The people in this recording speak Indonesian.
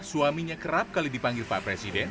suaminya kerap kali dipanggil pak presiden